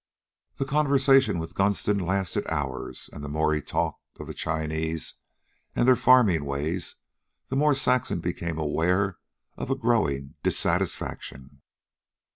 The conversation with Gunston lasted hours, and the more he talked of the Chinese and their farming ways the more Saxon became aware of a growing dissatisfaction.